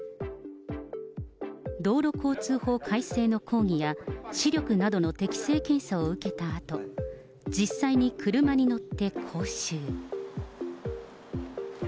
道路交通法改正の講義や視力などの適性検査を受けたあと、実際に車に乗って講習。